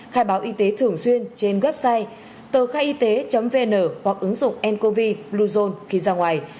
khai báo y tế thường xuyên trên website tờkhaiyt vn hoặc ứng dụng ncovi bluezone khi ra ngoài